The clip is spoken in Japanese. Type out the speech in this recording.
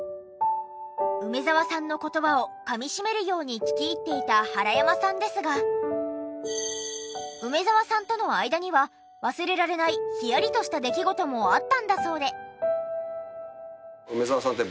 梅沢さんの言葉をかみ締めるように聞き入っていた原山さんですが梅沢さんとの間には忘れられないヒヤリとした出来事もあったんだそうで。